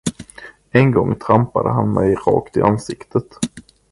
En gång trampade han mig rakt i ansiktet.